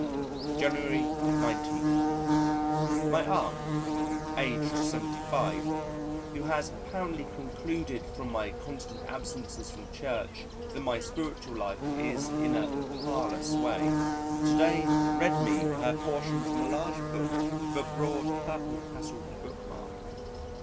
January 19. My Aunt, aged 75, who has apparently concluded from my constant absences from Church that my spiritual life is in a parlous way, to day read me her portion from a large book with a broad purple tasseled bookmark.